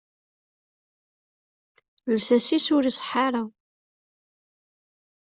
Lsas-is ur iṣeḥḥa ara.